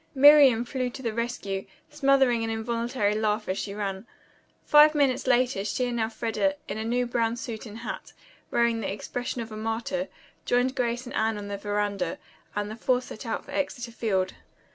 Miriam flew to the rescue, smothering an involuntary laugh as she ran. Five minutes later she and Elfreda, in a new brown suit and hat, wearing the expression of a martyr, joined Grace and Anne on the veranda, and the four set out for Exeter Field.